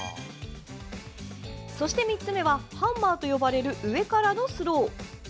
そして３つ目はハンマーと呼ばれる上からのスロー。